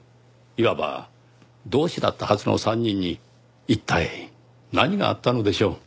いわば同志だったはずの３人に一体何があったのでしょう？